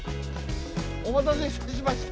お待たせいたしました。